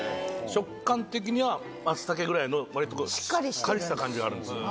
食感的にはマツタケぐらいの割としっかりした感じがある。